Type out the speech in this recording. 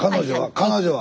彼女は？